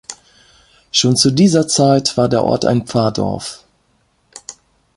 Schon zu dieser Zeit war der Ort ein Pfarrdorf.